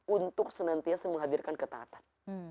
untuk senantiasa menghadirkan ketahatan